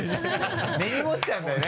根に持っちゃうんだよね。